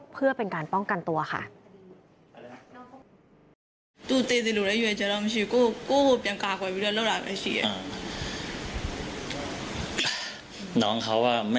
เพื่อเป็นการป้องกันตัวค่ะ